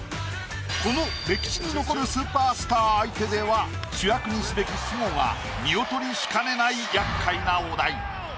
この歴史に残るスーパースター相手では主役にすべき季語が見劣りしかねない厄介なお題。